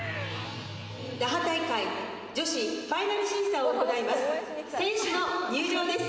那覇大会女子ファイナル審査を行います。